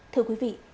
thưa quý vị